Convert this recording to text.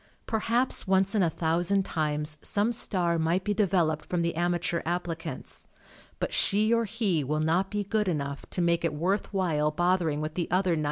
Per haps once in a thousand times some star might be developed from the amateur applicants, but she or he will not be good enough to make it worth while bothering with the other 999.